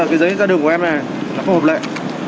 ghi nhận giấy đi đường công tác ít d gases